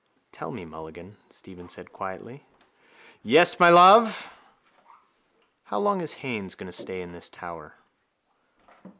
—Tell me, Mulligan, Stephen said quietly. —Yes, my love? —How long is Haines going to stay in this tower?